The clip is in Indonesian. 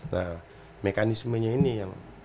nah mekanismenya ini yang